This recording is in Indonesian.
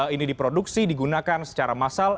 ini diproduksi digunakan secara massal